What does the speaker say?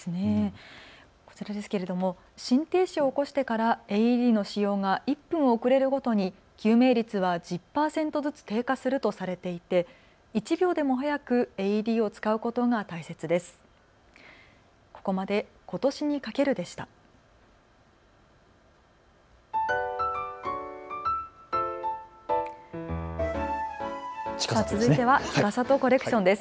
こちら、心停止を起こしてからＡＥＤの使用が１分遅れるごとに救命率は１０％ずつ低下するとされていて１秒でも早くＡＥＤを使うことが大切です。